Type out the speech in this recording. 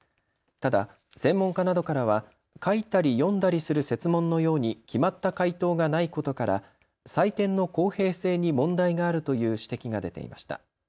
ただ専門家などからは書いたり読んだりする設問のように決まった解答がないことから採点の公平性に問題があるという指摘が出ていました。